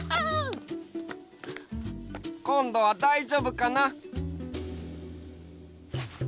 こんどはだいじょうぶかな？